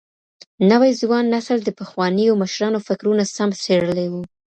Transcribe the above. نوي ځوان نسل د پخوانيو مشرانو فکرونه سم څېړلي وو.